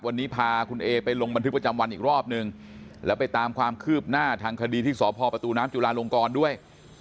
วันนี้พาคุณเอไปลงบันทึกประจำวันอีกรอบนึงแล้วไปตามความคืบหน้าทางคดีที่สพประตูน้ำจุลาลงกรด้วย